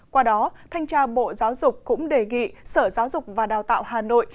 qua đó thanh tra bộ giáo dục cũng đề nghị sở giáo dục và đào tạo hà nội